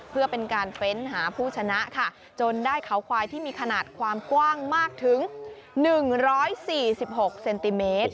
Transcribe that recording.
เพื่อเป็นการเฟ้นหาผู้ชนะค่ะจนได้เขาควายที่มีขนาดความกว้างมากถึง๑๔๖เซนติเมตร